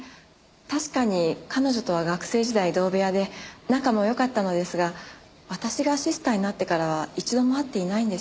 確かに彼女とは学生時代同部屋で仲も良かったのですが私がシスターになってからは一度も会っていないんです。